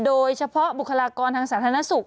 โดยเฉพาะบุคลากรทางสาธารณสุข